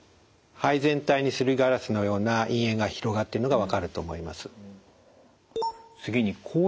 肺全体にすりガラスのような陰影が広がっているのが分かると思います。